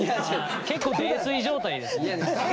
結構泥酔状態ですね。